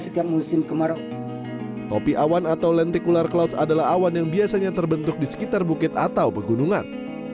topi awan atau lentikular clouds adalah awan yang biasanya terbentuk di sekitar bukit atau pegunungan